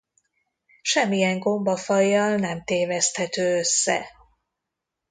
Semmilyen gombafajjal nem téveszthető össze.